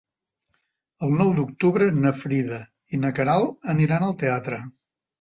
El nou d'octubre na Frida i na Queralt aniran al teatre.